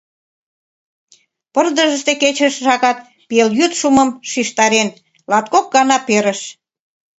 Пырдыжыште кечыше шагат пелйӱд шумым шижтарен, латкок гана перыш.